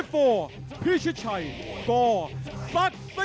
สวัสดีครับทายุรัฐมวยไทยไฟตเตอร์